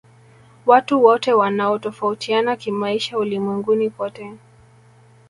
watu wote wanatofautiana kimaisha ulimwenguni kote